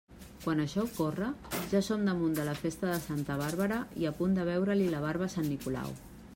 Quan això ocorre, ja som damunt de la festa de Santa Bàrbara i a punt de veure-li la barba a sant Nicolau.